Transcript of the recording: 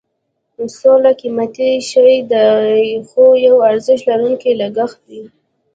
سوله قیمتي شی دی خو یو ارزښت لرونکی لګښت دی.